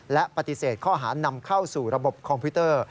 และปฏิเสธข้อหานำเข้าสู่ระบบคอมพิวเตอร์